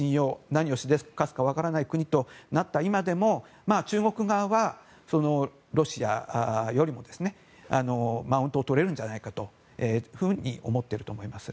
何をしでかすか分からない国となった今でも中国側はロシアよりもマウントをとれるんじゃないかと思ってると思いますよ。